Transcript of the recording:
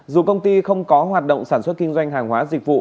dù công ty không có hoạt động sản xuất kinh doanh hàng hóa dịch vụ